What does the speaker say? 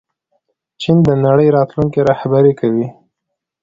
چین د نړۍ راتلونکی رهبري کوي.